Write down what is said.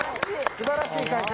すばらしい会社。